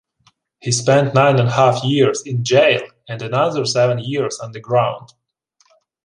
He spent nine and a half years in jail, and another seven years underground.